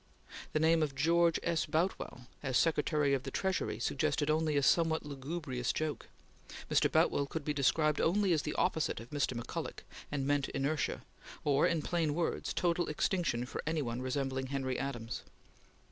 The name of George S. Boutwell, as Secretary of the Treasury, suggested only a somewhat lugubrious joke; Mr. Boutwell could be described only as the opposite of Mr. McCulloch, and meant inertia; or, in plain words, total extinction for any one resembling Henry Adams.